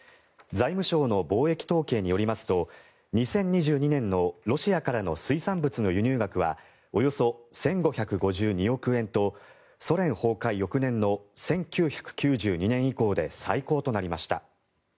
財務省の貿易統計によりますと２０２２年のロシアからの水産物の輸入額はおよそ１５５２億円とソ連崩壊翌年の１９９２年以降で最高となりました。